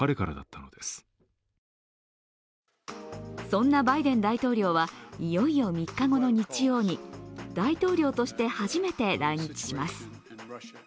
そんなバイデン大統領は、いよいよ３日後の日曜に大統領として初めて、来日します。